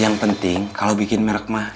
yang penting kalau bikin merek mah